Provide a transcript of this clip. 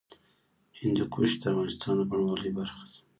هندوکش د افغانستان د بڼوالۍ برخه ده.